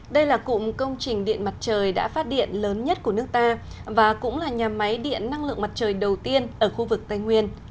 đây là cụm công trình điện mặt trời đã phát điện lớn nhất của nước ta và cũng là nhà máy điện năng lượng mặt trời đầu tiên ở khu vực tây nguyên